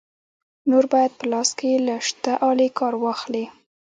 نور باید په لاس کې له شته آلې کار واخلې.